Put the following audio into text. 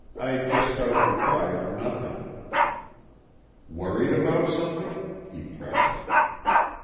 I just started to cry for nothing." "Worried about something?" he pressed.